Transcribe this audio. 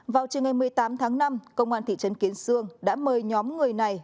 vào chiều ngày một mươi tám tháng năm công an thị trấn kiến sương đã mời nhóm người này